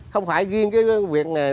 không phải riêng cái việc này